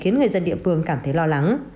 người dân địa phương cảm thấy lo lắng